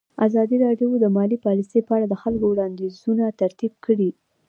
ازادي راډیو د مالي پالیسي په اړه د خلکو وړاندیزونه ترتیب کړي.